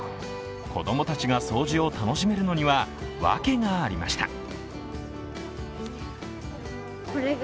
子供たちが掃除を楽しめるのには訳がありました。